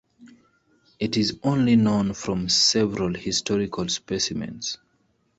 It is only known from several historical specimens.